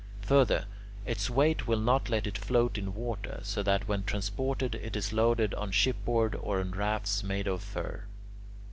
Further, its weight will not let it float in water, so that when transported it is loaded on shipboard or on rafts made of fir.